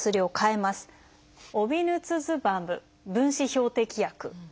オビヌツズマブ分子標的薬です。